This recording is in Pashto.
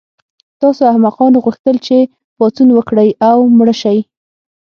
تاسو احمقانو غوښتل چې پاڅون وکړئ او مړه شئ